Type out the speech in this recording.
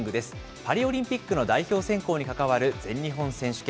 パリオリンピックの代表選考に関わる全日本選手権。